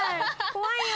怖いよ。